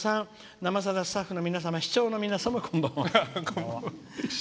「「生さだ」、スタッフの皆様視聴の皆様、こんばんは」。